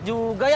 siapa deh anda